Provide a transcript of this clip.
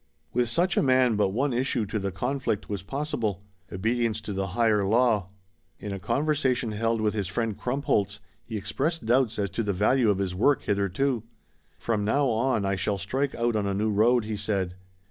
With such a man but one issue to the conflict was possible: obedience to the higher law. In a conversation held with his friend Krumpholz, he expressed doubts as to the value of his work hitherto. "From now on I shall strike out on a new road," he said.